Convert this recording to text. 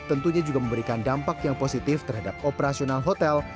tentunya juga memberikan dampak yang positif terhadap operasional hotel